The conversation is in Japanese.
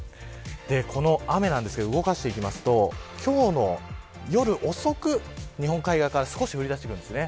この雨ですが、動かしていくと今日の夜遅く日本海側から少し降り出してきます。